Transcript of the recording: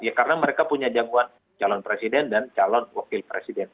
ya karena mereka punya jagoan calon presiden dan calon wakil presiden